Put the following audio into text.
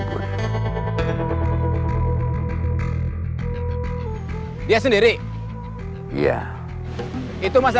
tidak ada yang tahu